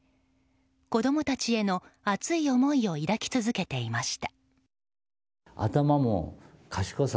子供たちへの熱い思いを抱き続けていました。